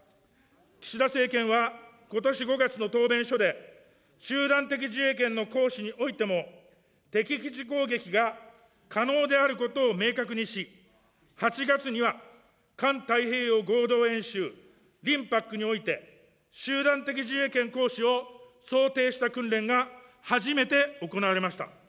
岸田政権はことし５月の答弁書で集団的自衛権の行使においても、敵基地攻撃が可能であることを明確にし、８月には、環太平洋合同演習・リムパックにおいて、集団的自衛権行使を想定した訓練が初めて行われました。